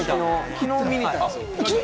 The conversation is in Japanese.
昨日、見に行ったんですよ。